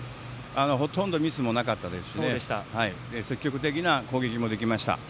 ほとんどミスもなかったですし積極的な攻撃もできました。